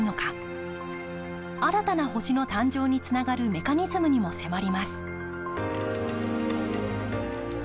新たな星の誕生につながるメカニズムにも迫ります。